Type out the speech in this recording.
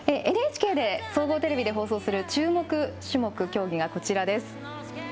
ＮＨＫで総合テレビで放送する注目種目、競技はこちらです。